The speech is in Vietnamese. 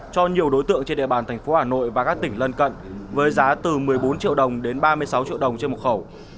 cho nhiều đối tượng trên địa bàn thành phố hà nội và các tỉnh lân cận với giá từ một mươi bốn triệu đồng đến ba mươi sáu triệu đồng trên một khẩu